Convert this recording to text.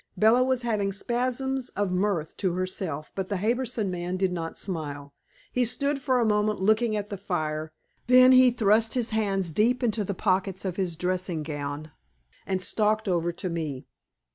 Bella was having spasms of mirth to herself, but the Harbison man did not smile. He stood for a moment looking at the fire; then he thrust his hands deep into the pockets of his dressing gown, and stalked over to me.